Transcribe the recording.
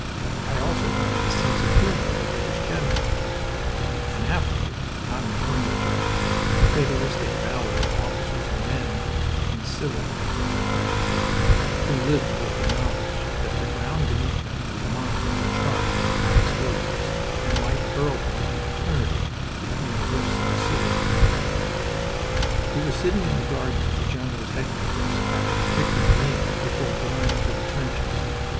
I also learned the sense of humor of a British general, and afterward, not enjoying the joke, the fatalistic valor of officers and men (in civil life a year before) who lived with the knowledge that the ground beneath them was mined and charged with high explosives, and might hurl them to eternity between the whiffs of a cigarette. We were sitting in the garden of the general's headquarters, having a picnic meal before going into the trenches.